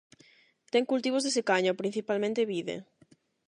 Ten cultivos de secaño, principalmente vide.